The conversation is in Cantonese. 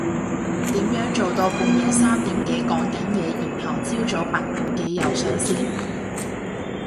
點樣做到半夜三點幾講緊嘢然後朝早八點幾又上線？